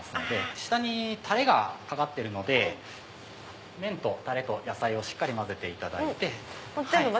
下にたれがかかってるので麺とたれと野菜をしっかり混ぜていただいて。